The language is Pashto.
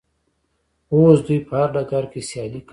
اوس دوی په هر ډګر کې سیالي کوي.